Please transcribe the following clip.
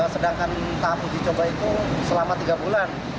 sedangkan tahap uji coba itu selama tiga bulan